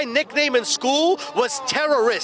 nama saya di sekolah adalah teroris